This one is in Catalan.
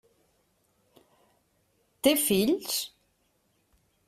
Té fills?